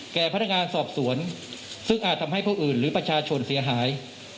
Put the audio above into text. แก่พนักงานสอบสวนซึ่งอาจทำให้ผู้อื่นหรือประชาชนเสียหาย